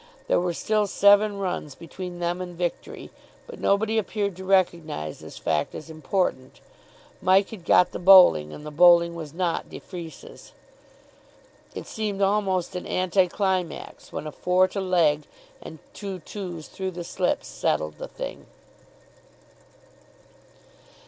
There were still seven runs between them and victory, but nobody appeared to recognise this fact as important. Mike had got the bowling, and the bowling was not de Freece's. It seemed almost an anti climax when a four to leg and two two's through the slips settled the thing.